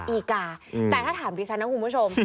อีกาแต่ถ้าถามดิฉันนะคุณผู้ชม